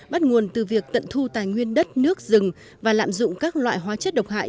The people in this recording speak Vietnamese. bắt nguồn từ việc tận thu tài nguyên đất nước rừng và lạm dụng các loại hóa chất độc hại